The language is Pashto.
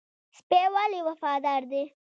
سپی ولې وفادار دی؟